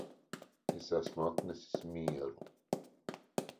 Es esmu atnesis mieru